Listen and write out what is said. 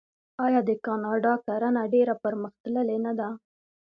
آیا د کاناډا کرنه ډیره پرمختللې نه ده؟